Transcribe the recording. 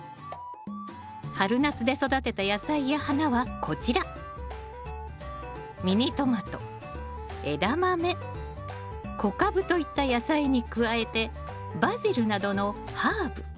春夏で育てた野菜や花はこちらといった野菜に加えてバジルなどのハーブ。